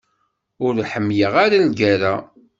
Ur ḥemmleɣ ara lgerra.